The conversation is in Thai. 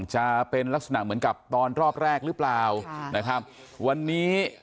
จะเป็นลักษณะเหมือนกับตอนรอบแรกหรือเปล่านะครับวันนี้